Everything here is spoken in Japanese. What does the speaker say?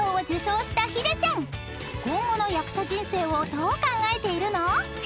［今後の役者人生をどう考えているの？］